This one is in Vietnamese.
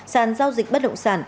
sản giao dịch bất động sản